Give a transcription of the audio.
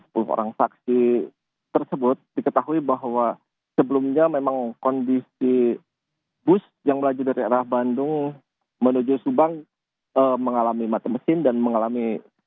sepuluh orang saksi tersebut diketahui bahwa sebelumnya memang kondisi bus yang melaju dari arah bandung menuju subang mengalami mati mesin dan mengalami